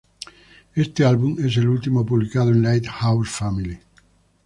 Éste álbum es el último publicado de Lighthouse Family.